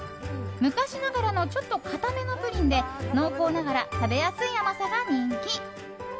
昔ながらのちょっと固めのプリンで濃厚ながら食べやすい甘さが人気。